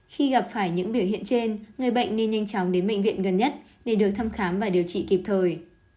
khi gặp phải những biểu hiện trên người bệnh nên nhanh chóng đến bệnh viện gần nhất để được thăm khám và điều trị kịp thời